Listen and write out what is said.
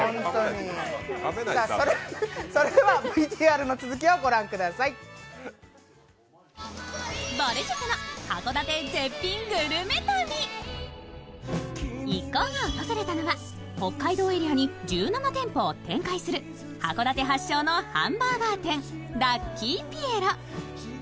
それではＶＴＲの続きを御覧ください一行が訪れたのは、北海道エリアに１７店舗を展開する函館発祥のハンバーガー店ラッキーピエロ。